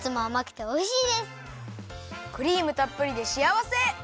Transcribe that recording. クリームたっぷりでしあわせ！